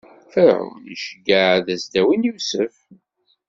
Ferɛun iceggeɛ ad as-d-awin Yusef.